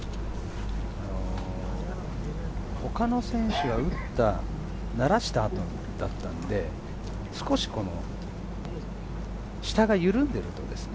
他の選手が打った、ならした後だったので、少し下が緩んでいるんですね。